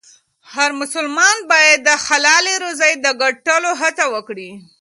هر مسلمان باید د حلالې روزۍ د ګټلو هڅه وکړي.